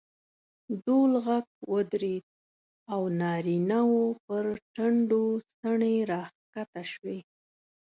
ډول غږ ودرېد او نارینه وو پر ټنډو څڼې راکښته شوې.